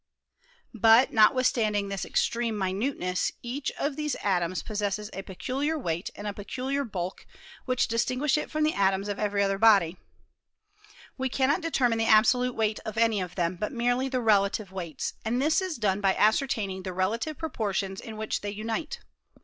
But, notwithstanding this extreme minuteness, each of these atoms possesses a peculiar weight and a pecuhar bulk, which distinguish it from the atoms of every other body. We cannot determine the absolute weight of any of them, but merely the relative weights ; and this is done by ascertaining the relative proportions in which they unite.